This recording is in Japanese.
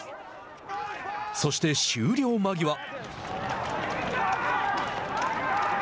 そして、終了間際。